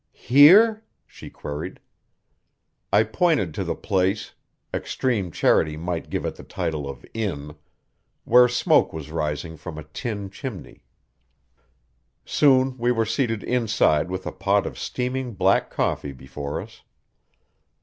"Here?" she queried. I pointed to the place extreme charity might give it the title of inn where smoke was rising from a tin chimney. Soon we were seated inside with a pot of steaming black coffee before us.